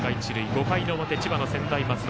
５回の表、千葉の専大松戸